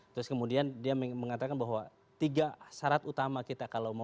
terus kemudian dia mengatakan bahwa tiga syarat utama kita kalau mau